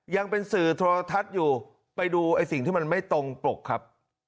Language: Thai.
ยังเป็นสื่อโทรทัศน์อยู่ไปดูไอ้สิ่งที่มันไม่ตรงปกครับ